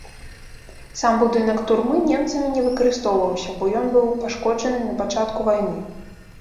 Сам будынак турмы немцамі не выкарыстоўваўся, бо ён быў пашкоджаны напачатку вайны.